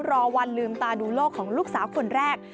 รอวันลืมตาดูโลกของลูกสาวคนแรก